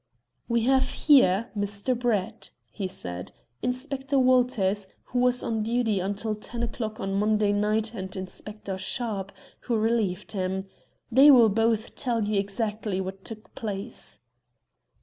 "We have here, Mr. Brett," he said, "Inspector Walters, who was on duty until ten o'clock on Monday night, and Inspector Sharpe, who relieved him. They will both tell you exactly what took place."